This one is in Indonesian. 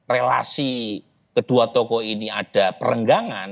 relasi kedua tokoh ini ada perenggangan